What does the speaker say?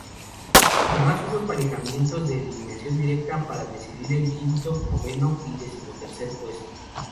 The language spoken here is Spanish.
Además, hubo emparejamientos de eliminación directa para decidir el quinto, noveno y decimotercer puesto.